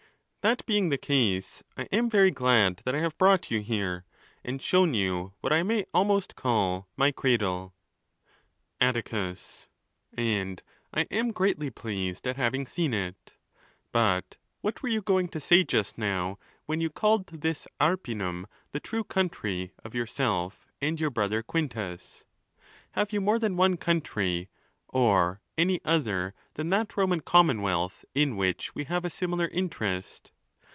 —That being the case, I am very glad that I have brought you here, and shown you what I may almost call my cradle. Atticus.—And T am greatly pleased at having seen it. But ON THE LAWS. 429 what were you going to say just now, when you called this Arpinum the true country of yourself and your brother Quintus? Have you more than one country, or any other than that Roman commonwealth in which we have a similar interest?